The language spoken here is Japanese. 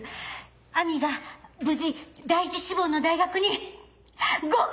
亜美が無事第一志望の大学に合格しました！